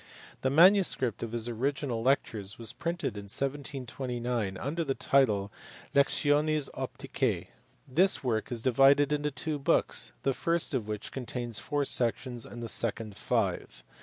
The manuscript of his original lectures was printed in 1729 under the title Lectiones Opticae. This work is divided into two books, the first of which contains four sections and the second five.